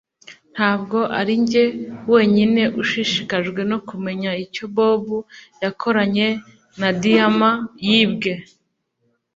Ntabwo arinjye wenyine ushishikajwe no kumenya icyo Bobo yakoranye na diyama yibwe